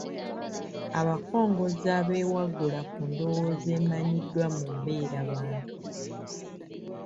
Abakongozzi abeewaggula ku ndowooza emanyiiriddwa mu mbeerabantu